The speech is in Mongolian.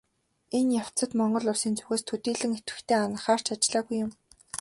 Энэ явцад Монгол Улсын зүгээс төдийлөн идэвхтэй анхаарч ажиллаагүй юм.